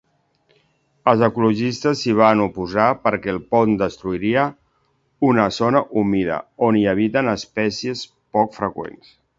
Els ecologistes s'hi van oposar perquè el pont destruiria una zona humida on hi habiten espècies poc freqüents.